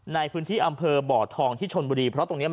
ในพื้นที่อำเภอบ่อทองชนบุรี